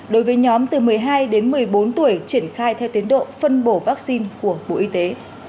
đối với nhóm từ một mươi hai đến một mươi bốn tuổi triển khai theo tiến độ phân bổ vaccine của bộ y tế